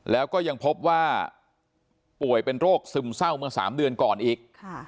แล้วก็ยังพบว่าป่วยเป็นโรคซึมเศร้าเมื่อ๓เดือนก่อนอีก